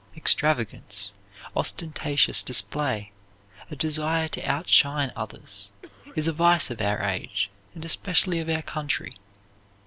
Extravagance, ostentatious display, a desire to outshine others, is a vice of our age, and especially of our country.